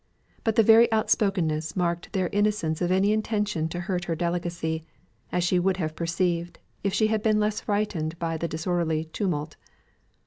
But the very outspokenness marked their innocence of any intention to hurt her delicacy, as she would have perceived if she had been less frightened by the disorderly tumult.